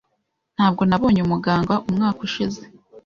Ntabwo nabonye umuganga umwaka ushize.